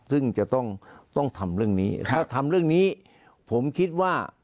ซึ่งจะต้องต้องทำเรื่องนี้ถ้าทำเรื่องนี้ผมคิดว่า